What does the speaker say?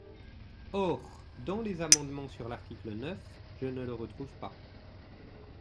Or dans les amendements sur l’article neuf, je ne le retrouve pas.